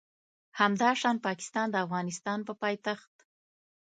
همداشان پاکستان د افغانستان په پایتخت